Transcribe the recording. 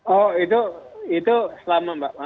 oh itu itu selama